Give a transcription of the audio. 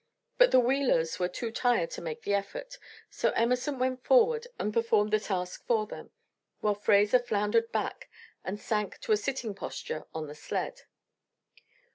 But the "wheelers" were too tired to make the effort, so Emerson went forward and performed the task for them, while Fraser floundered back and sank to a sitting posture on the sled.